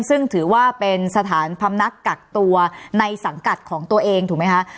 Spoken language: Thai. ซึ่งถือว่าเป็นสถานพำนักกักตัวในสังกัดของตัวเองถูกไหมคะ